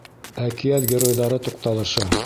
— Әкиәт геройҙары туҡталышы.